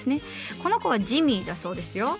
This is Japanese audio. この子はジミーだそうですよ。